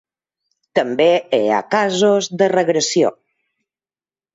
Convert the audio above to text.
També hi ha casos de regressió.